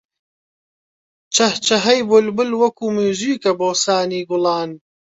چەهچەهەی بولبول وەکوو مووزیکە بۆ سانی گوڵان